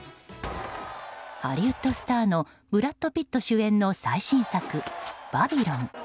ハリウッドスターのブラッド・ピット主演の最新作「バビロン」。